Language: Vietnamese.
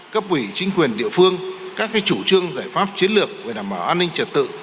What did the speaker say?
cấp ủy chính quyền địa phương các chủ trương giải pháp chiến lược về đảm bảo an ninh trật tự